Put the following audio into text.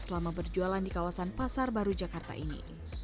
selama berjualan di kawasan pasar baru jakarta ini